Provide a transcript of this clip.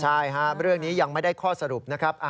ใช่เรื่องนี้ยังไม่ได้ข้อสรุปนะครับ